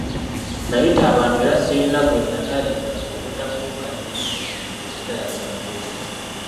Nayita abantu era ssirina gwe nataliza obutafuuka kiri ekitayaza vvu.